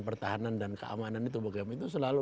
pertahanan dan keamanan itu selalu